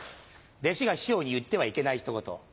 弟子が師匠に言ってはいけないひと言。